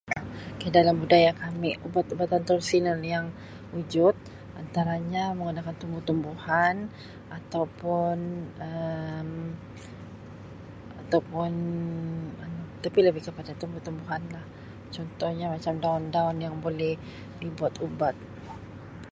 Ok dalam budaya kami ubat-ubatan tradisional yang wujud antaranya menggunakan tumbuh tumbuhan atau pun Um ataupun tapi lebih kepada tumbuh-tumbuhan lah contohnya macam daun-daun yang boleh dibuat ubat.